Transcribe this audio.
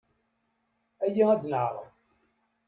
Aya ad neɛreḍ!